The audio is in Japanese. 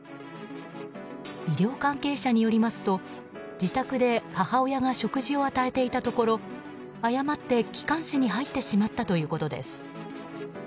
医療関係者によりますと自宅で母親が食事を与えていたところ誤って気管支に入ってしまったということです。